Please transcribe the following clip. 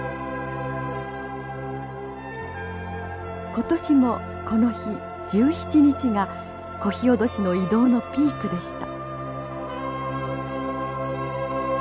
今年もこの日１７日がコヒオドシの移動のピークでした。